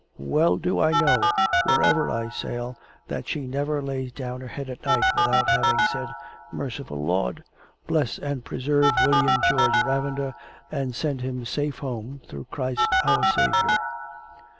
Well do I know wherever I sail that she never lays down her head at night without having said, "Merciful Lord! bless and preserve William George Ravender, and send him safe home, through Christ our Saviour!"